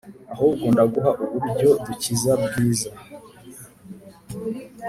ahubwo ndaguha uburyo dukiza bwiza